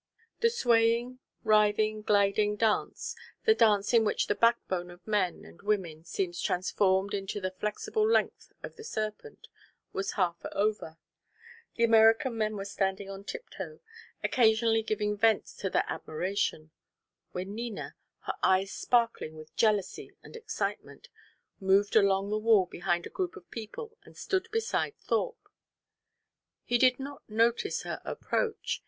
The swaying, writhing, gliding dance the dance in which the backbone of men and women seems transformed into the flexible length of the serpent was half over, the American men were standing on tiptoe, occasionally giving vent to their admiration, when Nina, her eyes sparkling with jealously and excitement, moved along the wall behind a group of people and stood beside Thorpe. He did not notice her approach.